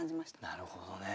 なるほどね。